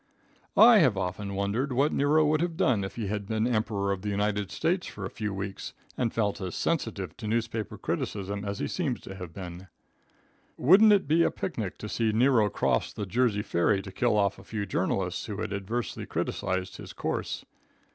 I have often wondered what Nero would have done if he had been Emperor of the United States for a few weeks and felt as sensitive to newspaper criticism as he seems to have been. Wouldn't it be a picnic to see Nero cross the Jersey ferry to kill off a few journalists who had adversely criticised his course?